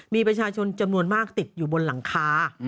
มีประชาชนจำนวนมากติดอยู่บนหลังคา